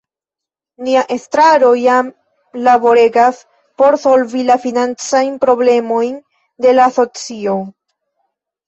Nia Estraro jam laboregas por solvi la financajn problemojn de la Asocio.